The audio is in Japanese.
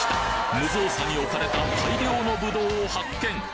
無造作に置かれた大量のぶどうを発見